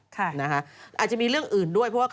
อาจจะมีเรื่องอื่นด้วยเพราะว่า